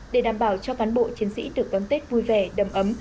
để đảm bảo cho toàn bộ chiến sĩ được đón tết vui vẻ đầm ấm